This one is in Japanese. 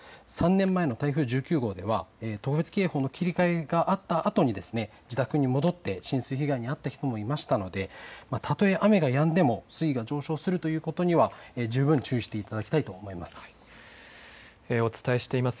３年前の台風１９号では特別警報に切り替えがあったあとに自宅に戻って浸水被害に遭った人もいましたのでたとえ雨がやんでも水位が上昇するので十分注意していただきたいと思います。